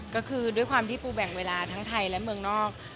ก็คือด้วยความที่ปูแบ่งเวลาทั้งไทยและเมืองนอก